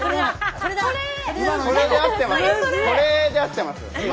これで合ってます？